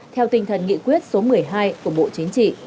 theo tinh thần nghị quyết số một mươi hai của bộ chính trị